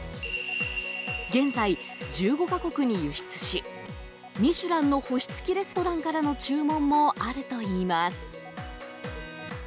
現在、１５か国に輸出し「ミシュラン」の星付きレストランからの注文もあるといいます。